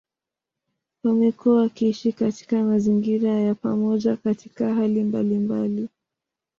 Wamekuwa wakiishi katika mazingira ya pamoja katika hali mbalimbali.